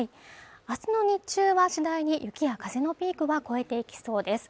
明日の日中は次第に雪や風のピークは越えていきそうです